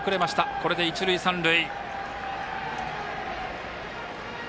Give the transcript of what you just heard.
これで一塁、三塁。